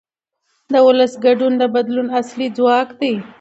د ولس ګډون د بدلون اصلي ځواک دی